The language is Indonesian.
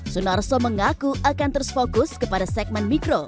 sunarso mengaku akan terus fokus kepada segmen mikro